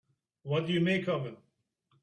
What do you make of him?